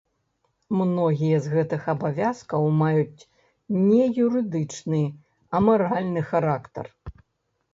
Многія з гэтых абавязкаў маюць не юрыдычны, а маральны характар.